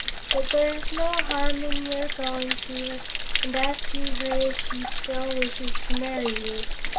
But there is no harm in your going to her and asking her if she still wishes to marry you.